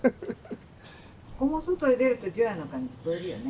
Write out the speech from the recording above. ここも外へ出ると除夜の鐘聞こえるよね。